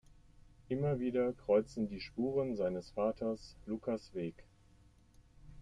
Immer wieder kreuzen die Spuren seines Vaters Lukas’ Weg.